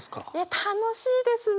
楽しいですね！